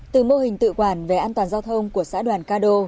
từ mô hình tự quản về an toàn giao thông của xã đoàn ca đô